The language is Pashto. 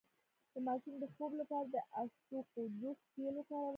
د ماشوم د خوب لپاره د اسطوخودوس تېل وکاروئ